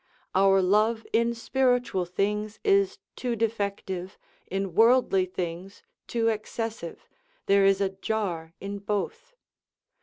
Our love in spiritual things is too defective, in worldly things too excessive, there is a jar in both.